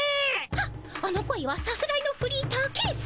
はっあの声はさすらいのフリーターケンさま。